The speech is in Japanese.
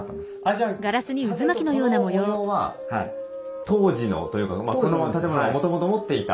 じゃあ反対に言うとこの模様は当時のというかこの建物がもともと持っていた。